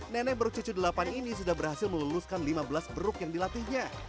nenek bercucu delapan ini sudah berhasil meluluskan lima belas beruk yang dilatihnya